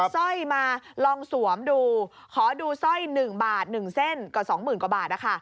สร้อยมาลองสวมดูขอดูสร้อย๑บาท๑เส้นกว่า๒๐๐๐กว่าบาทนะคะ